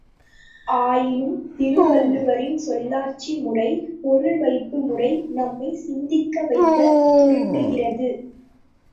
ஆயினும் திருவள்ளுவரின் சொல்லாட்சி முறை, பொருள் வைப்பு முறை நம்மைச் சிந்திக்க வைக்கத் துரண்டுகிறது.